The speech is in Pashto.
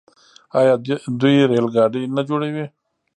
آیا دوی ریل ګاډي نه جوړوي؟